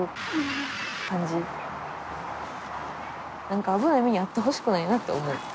なんか危ない目に遭ってほしくないなって思う。